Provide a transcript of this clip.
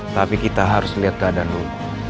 tapi kita harus lihat keadaan dulu